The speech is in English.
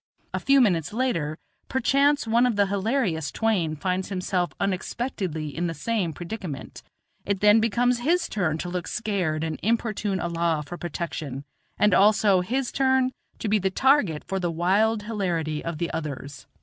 A few minutes later, perchance one of the hilarious twain finds himself unexpectedly in the same predicament; it then becomes his turn to look scared and importune Allah for protection, and also his turn to be the target for the wild hilarity of the others.